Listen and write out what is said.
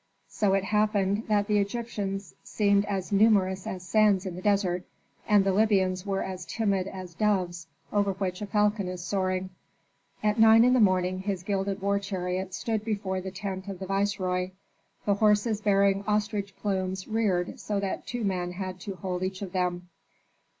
So it happened that the Egyptians seemed as numerous as sands in the desert, and the Libyans were as timid as doves, over which a falcon is soaring. At nine in the morning his gilded war chariot stood before the tent of the viceroy. The horses bearing ostrich plumes reared so that two men had to hold each of them.